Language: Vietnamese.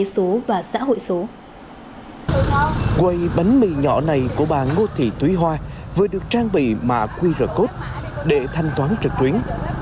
quấy bánh mì nhỏ này của bà ngô thị thúy hoa vừa được trang bị mã qr code để thanh toán trực tuyến